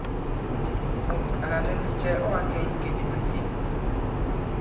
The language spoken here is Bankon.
Mùt à lànɛ ndi cɛ ɔ̂ ǎ kɛ̀ i ikè nì màsîn ?